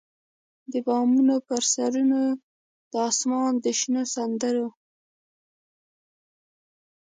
د بامونو پر سرونو د اسمان د شنو سندرو،